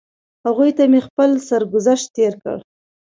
هغوی ته مې خپل سرګذشت تېر کړ.